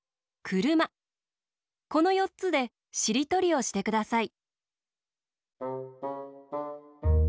このよっつでしりとりをしてください。